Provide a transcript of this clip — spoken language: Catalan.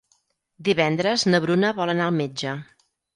Divendres na Bruna vol anar al metge.